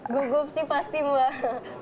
gugup sih pasti mbak